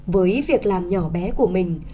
với việc làm nhỏ bé của ông